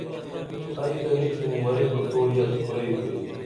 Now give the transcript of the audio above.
ائی تہ نی تِھم ورے بہ تو یت کُرئی کُرِن